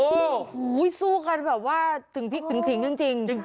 โอ้โหสู้กันแบบว่าถึงพลิกถึงขิงจริง